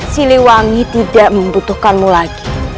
siliwangi tidak membutuhkanmu lagi